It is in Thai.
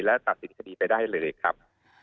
และตัดสินคดีไปได้เลยครับ